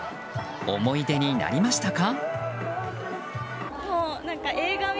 思い出になりましたか？